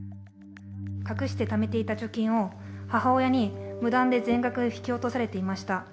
隠してためていた貯金を、母親に無断で全額引き落とされていました。